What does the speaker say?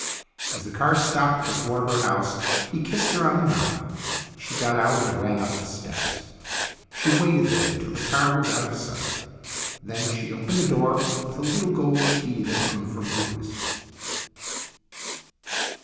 As the car stopped before her house he kissed her on the mouth. She got out and ran up the steps. She waited there till the car was out of sight. Then she opened the door with the little gold key that hung from her wrist.